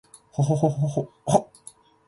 ほほほほほっ h